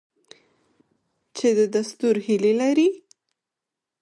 چې د ستورو هیلې لري؟